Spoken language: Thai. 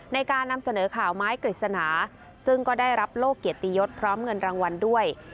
ในการนำเสนอข่าวไม้กฤษณาซึ่งก็ได้รับโลกเกียรติยศพร้อมเงินรางวัลด้วย